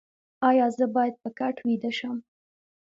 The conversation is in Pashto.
ایا زه باید په کټ ویده شم؟